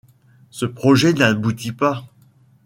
Ce projet n'aboutit pas.